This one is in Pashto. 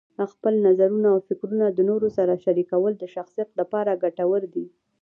خپل نظرونه او فکرونه د نورو سره شریکول د شخصیت لپاره ګټور دي.